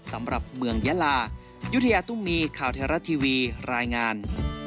สำหรับเมืองเยลาอยู่ที่ยาตุมีข่าวเทราะทีวีรายงาน